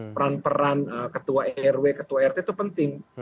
peran peran ketua rw ketua rt itu penting